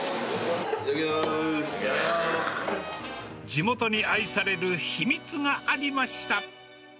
地元に愛される秘密がありました。